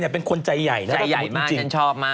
แน่นานรักออก